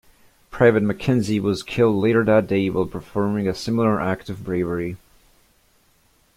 Private Mackenzie was killed later that day while performing a similar act of bravery.